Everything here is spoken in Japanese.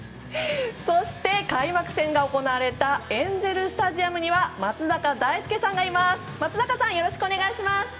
そして、開幕戦が行われたエンゼル・スタジアムには松坂大輔さんがいます。